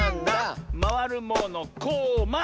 「まわるものこま！」